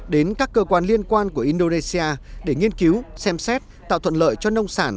đến các cơ quan liên quan của indonesia để nghiên cứu xem xét tạo thuận lợi cho nông sản